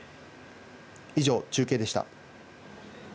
以上、中継でした。